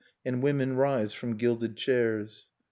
And women rise from gilded chairs.